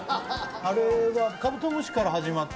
あれはカブトムシから始まって？